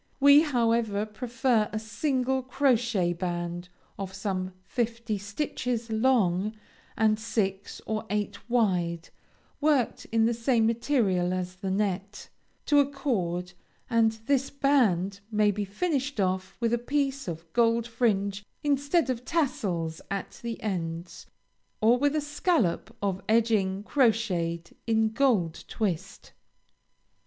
We, however, prefer a single crochet band of some fifty stitches long and six or eight wide, worked in the same material as the net, to a cord, and this band may be finished off with a piece of gold fringe instead of tassels at the ends, or with a scallop of edging crocheted in gold twist.